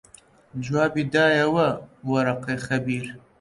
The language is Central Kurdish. جوابی دایەوە وەرەقەی خەبیر